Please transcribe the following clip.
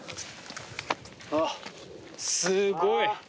あっすごい。